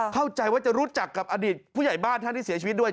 เข้าใจว่าจะรู้จักกับอดีตผู้ใหญ่บ้านท่านที่เสียชีวิตด้วย